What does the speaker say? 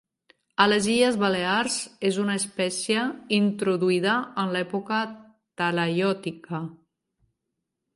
A les Illes Balears és una espècia introduïda en l'època talaiòtica.